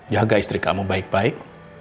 jaga istri kamu baik baik